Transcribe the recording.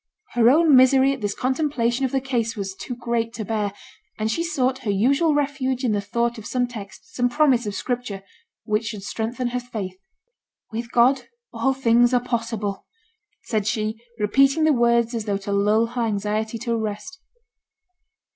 Her own misery at this contemplation of the case was too great to bear; and she sought her usual refuge in the thought of some text, some promise of Scripture, which should strengthen her faith. 'With God all things are possible,' said she, repeating the words as though to lull her anxiety to rest.